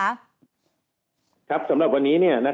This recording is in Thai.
วันนี้พอบอกความคืบหน้าอะไรของประกันสังคมที่ประชุมวันนี้ได้บ้างคะ